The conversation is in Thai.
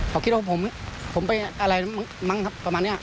เขาคิดว่าผมไปอะไรมั้งครับประมาณนี้